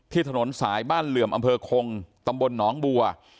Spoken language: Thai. ถนนสายบ้านเหลื่อมอำเภอคงตำบลหนองบัว